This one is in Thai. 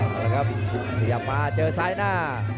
เอาละครับขยับมาเจอซ้ายหน้า